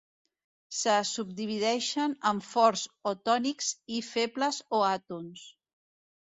Se subdivideixen en forts o tònics i febles o àtons.